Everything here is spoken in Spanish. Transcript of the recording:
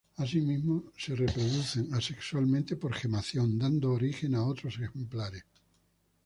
Asimismo, se reproducen asexualmente por gemación, dando origen a otros ejemplares.